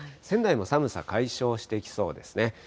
仙台も寒さ解消していきそうですね。